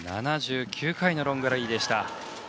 ７９回のロングラリーでした。